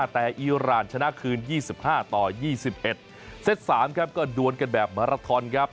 แต่อีรานชนะคืน๒๕ต่อ๒๑เซต๓ครับก็ดวนกันแบบมาราทอนครับ